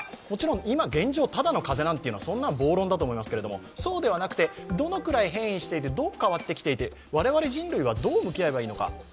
もちろん現状、ただの風邪なんていうのは暴論だと思いますけどそうではなくてどのくらい変異していて、どのくらい変わってきていて、我々人類はどう向き合えばいいのか。